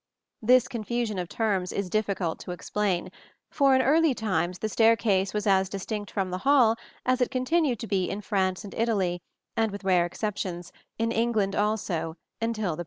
This confusion of terms is difficult to explain, for in early times the staircase was as distinct from the hall as it continued to be in France and Italy, and, with rare exceptions, in England also, until the present century.